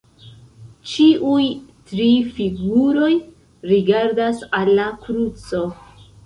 Ĉiuj tri figuroj rigardas al la kruco.